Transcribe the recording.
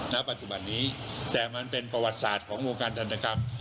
ณปัจจุบันนี้แต่มันเป็นประวัติศาสตร์ของวงการทันตกรรม